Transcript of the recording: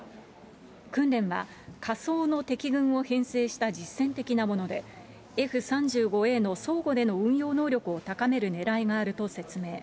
訓練は仮想の敵軍を編成した実戦的なもので、Ｆ３５Ａの相互での運用能力を高めるねらいがあると説明。